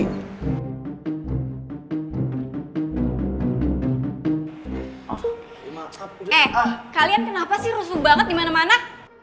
eh kalian kenapa sih rusuh banget dimana mana